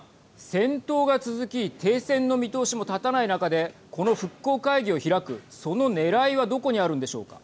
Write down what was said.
戦闘が続き停戦の見通しも立たない中でこの復興会議を開くそのねらいはどこにあるんでしょうか。